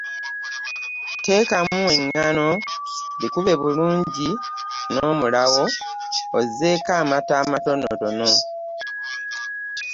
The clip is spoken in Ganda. Teekamu engano, bikube bulungi n’omulawo ozzeeko amata amatonotono.